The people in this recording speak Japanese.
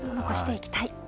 残していきたい